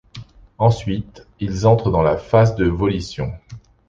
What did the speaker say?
Ensuite, ils entrent dans la phase de volition.